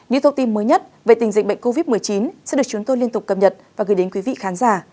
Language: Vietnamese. những thông tin mới nhất về tình dịch bệnh covid một mươi chín sẽ được chúng tôi liên tục cập nhật và gửi đến quý vị khán giả